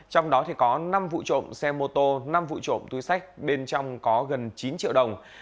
trong đó có năm vụ trộm xe mô tô năm vụ trộm túi sách bên trong có gần chín triệu đồng